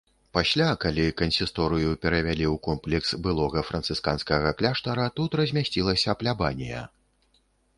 Пасля, калі кансісторыю перавялі ў комплекс былога францысканскага кляштара, тут размясцілася плябанія.